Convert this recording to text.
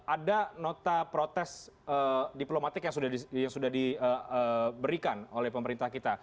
ada nota protes diplomatik yang sudah diberikan oleh pemerintah kita